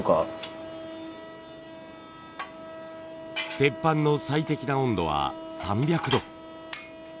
鉄板の最適な温度は３００度。